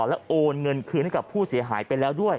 และโอนเงินคืนให้กับผู้เสียหายไปแล้วด้วย